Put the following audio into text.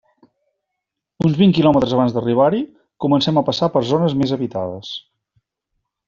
Uns vint quilòmetres abans d'arribar-hi comencem a passar per zones més habitades.